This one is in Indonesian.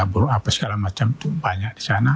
buruh apa segala macam itu banyak di sana